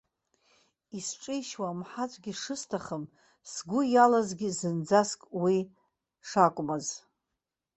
Исҿишьуа амҳаҵәгьы шысҭахым, сгәы иалазгьы зынӡаск уи шакәмыз.